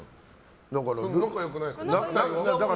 仲良くないんですか？